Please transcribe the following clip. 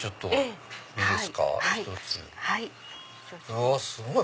うわすごい！